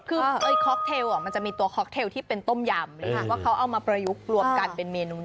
คือค็อกเทลมันจะมีตัวค็อกเทลที่เป็นต้มยำว่าเขาเอามาประยุกต์รวมกันเป็นเมนูไหน